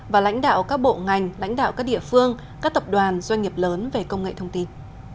và lãnh đạo các bộ ngành lãnh đạo các địa phương các tập đoàn doanh nghiệp lớn về công nghệ thông tin